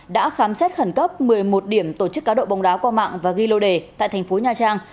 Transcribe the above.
đã khám xét khẩn cấp một mươi một điểm tổ chức cá độ bóng đá qua mạng và ghi lô đề tại thành phố nha trang